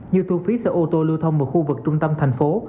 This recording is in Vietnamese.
như thu phí sở ô tô lưu thông một khu vực trung tâm thành phố